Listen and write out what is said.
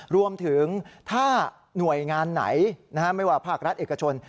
รวมถึงถ้าหน่วยงานไหนไม่ว่าภาครัฐเอกชน